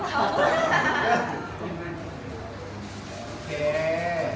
ก็คือเจ้าเม่าคืนนี้